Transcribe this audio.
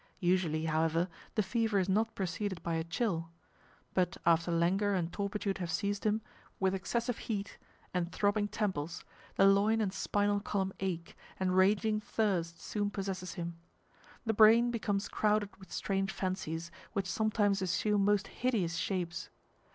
Usually, however, the fever is not preceded by a chill, but after languor and torpitude have seized him, with excessive heat and throbbing temples, the loin and spinal column ache, and raging thirst soon possesses him. The brain becomes crowded with strange fancies, which sometimes assume most hideous shapes.